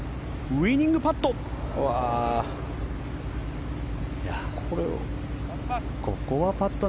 ウィニングパット。